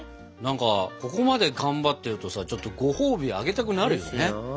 なんかここまでがんばってるとさちょっとごほうびあげたくなるよね。